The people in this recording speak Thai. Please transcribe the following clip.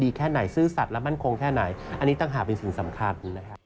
ดีแค่ไหนซื้อสัตว์และมั่นคงแค่ไหนอันนี้ต้องหาเป็นสิ่งสำคัญ